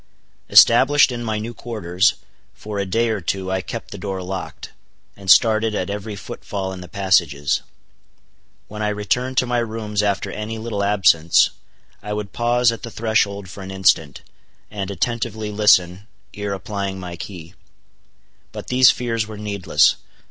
Established in my new quarters, for a day or two I kept the door locked, and started at every footfall in the passages. When I returned to my rooms after any little absence, I would pause at the threshold for an instant, and attentively listen, ere applying my key. But these fears were needless.